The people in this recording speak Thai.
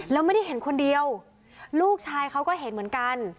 แล้วไม่ได้เห็นคนเดียวลูกชายเขาก็เห็นเหมือนกัน